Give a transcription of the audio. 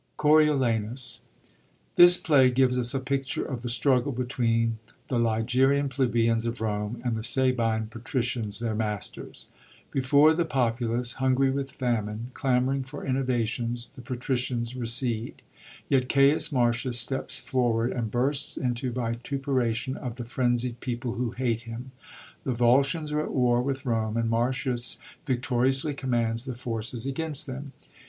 COBIOLAXUS. — This play gives us a picture of the struggle between the ligurian plebeians of Rome and the Sabine patricians, their masters. Before the popu lace, hungry with famine, clamoring for innovations, the patricians recede. Tet Caius Marcius steps for ward and bursts into vituperation of the frenzied people who hate him. The Volscians are at war with Rome, and Marcius victoriously commands the forces against them.